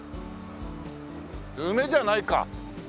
梅じゃないか。